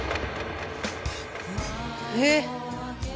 えっ！